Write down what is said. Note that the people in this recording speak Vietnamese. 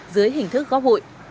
dưới hình thức góp hụi